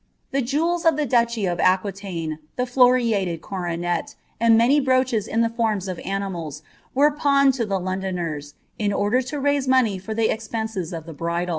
The jewels of the dnchy of Aquiiaine, the floriated coronet, and many broochea in Iho form of otiitnals, were pawned to the Londoners, in order lo raiae money for the expenMS of the bridal.